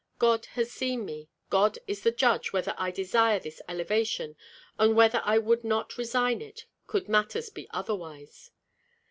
God has seen me, God is the judge whether I desire this elevation, and whether I would not resign it could matters be otherwise.